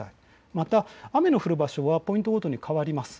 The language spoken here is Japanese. また雨の降る場所がポイントごとに変わります。